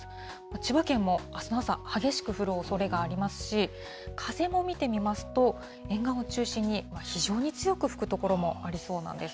千葉県もあすの朝、激しく降るおそれがありますし、風も見てみますと、沿岸を中心に非常に強く吹く所もありそうなんです。